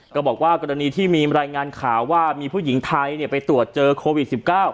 กรณีที่มีรายงานข่าวว่ามีผู้หญิงไทยไปตรวจเจอโควิด๑๙